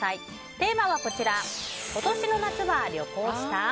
テーマはこちら今年の夏は旅行した？